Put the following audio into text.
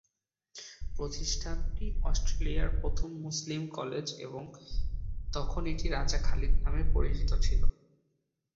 প্রতিষ্ঠানটি অস্ট্রেলিয়ার প্রথম মুসলিম কলেজ এবং তখন এটি রাজা খালিদ নামে পরিচিত ছিল।